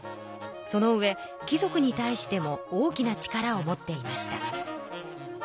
そのうえ貴族に対しても大きな力を持っていました。